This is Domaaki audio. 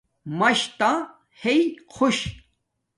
مَشتݳ ہݵئ خݸش.